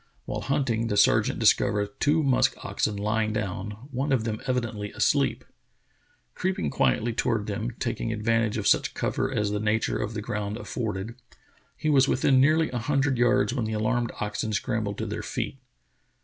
While hunting, the sergeant discovered two musk oxen lying down, one of them evidently asleep. Creeping quietly toward them, taking advan tage of such cover as the nature of the ground afforded, he was within nearly a hundred yards when the alarmed oxen scrambled to their feet.